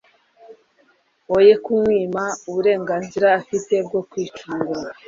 woye kumwima uburenganzira afite bwo kwicungura